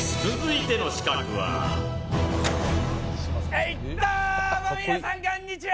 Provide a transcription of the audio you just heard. はいどうも皆さんこんにちは！